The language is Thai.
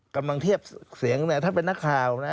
กำลังเทียบเสียงถ้าเป็นนักข่าวนะ